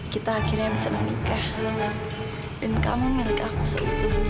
kita akhirnya bisa menikah dan kamu milik aku serutu